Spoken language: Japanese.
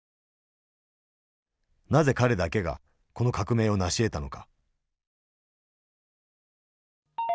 なぜ彼だけがこの革命を成しえたのか。